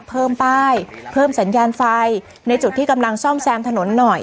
เพิ่มป้ายเพิ่มสัญญาณไฟในจุดที่กำลังซ่อมแซมถนนหน่อย